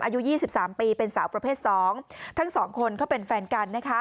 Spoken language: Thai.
อายุ๒๓ปีเป็นสาวประเภท๒ทั้งสองคนเขาเป็นแฟนกัน